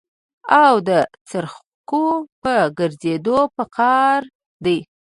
او د څرخکو په ګرځېدو په قار دي.